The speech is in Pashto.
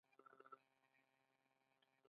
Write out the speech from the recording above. له دې څخه وروسته د غزنویانو حکومت کاله دوام وکړ.